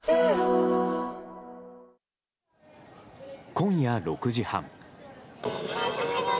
今夜６時半。